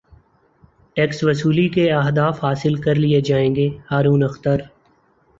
tax وصولی کے اہداف حاصل کرلئے جائیں گے ہارون اختر